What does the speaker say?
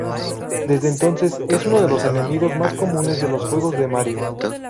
Desde entonces, es uno de los enemigos más comunes de los juegos de Mario.